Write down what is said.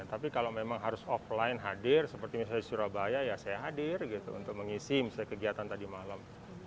tapi kalau memang harus offline hadir seperti misalnya di surabaya ya saya hadir gitu untuk mengisi misalnya kegiatan tadi malam